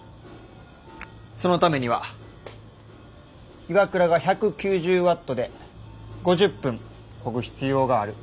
そのためには岩倉が１９０ワットで５０分こぐ必要がある。